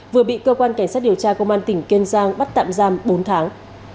vừa bị cơ quan cảnh sát điều tra công an tỉnh kiên giang bắt tạm giam bốn tháng